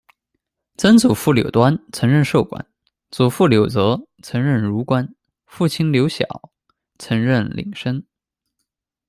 曾祖父柳端，曾任寿官；祖父柳泽，曾任儒官；父亲柳晓，曾任廪生。